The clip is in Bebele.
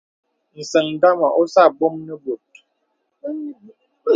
Səŋ ndàma ósə ābōm nə bòt.